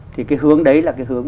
thì cái hướng đấy là cái hướng